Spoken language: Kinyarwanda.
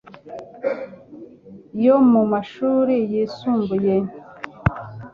yo mu mashuri yisumbuye